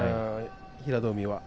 平戸海は。